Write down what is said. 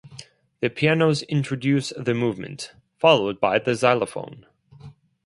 The pianos introduce the movement, followed by the xylophone.